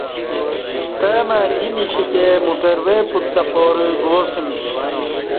ستہ مع دی نیشتہ موٹرے پوت تہ پارہ گوا سمیش